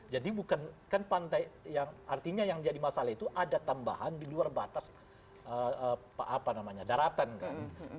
jadi bukan kan pantai yang artinya yang jadi masalah itu ada tambahan di luar batas daratan kan